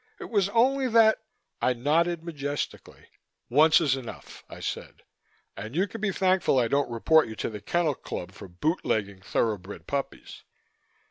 "It was only that " I nodded majestically. "Once is enough," I said, "and you can be thankful I don't report you to the Kennel Club for bootlegging thoroughbred puppies.